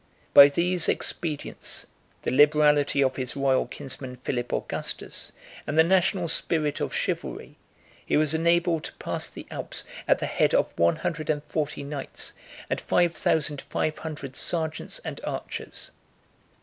By these expedients, the liberality of his royal kinsman Philip Augustus, and the national spirit of chivalry, he was enabled to pass the Alps at the head of one hundred and forty knights, and five thousand five hundred sergeants and archers.